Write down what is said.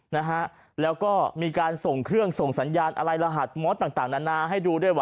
นะฮะแล้วก็มีการส่งเครื่องส่งสัญญาณอะไรรหัสมอสต่างต่างนานาให้ดูด้วยว่า